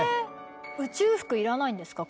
宇宙服いらないんですか？